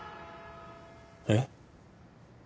えっ？